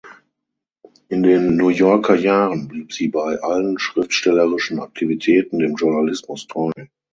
In den New Yorker Jahren blieb sie bei allen schriftstellerischen Aktivitäten dem Journalismus treu.